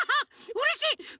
うれしい！